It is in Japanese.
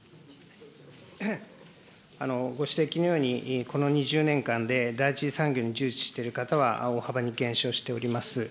ご指摘のように、この２０年間で、第一次産業に従事している方は大幅に減少しております。